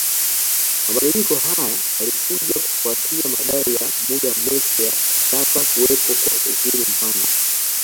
Mabadiliko haya yalikuja kufuatia madai ya muda mrefu ya kutaka kuwepo kwa uhuru mpana